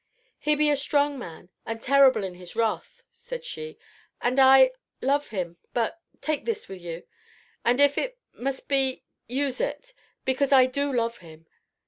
"He be a strong man, and terrible in his wrath," said she, "and I love him, but take this wi' you, and if it must be use it, because I do love him."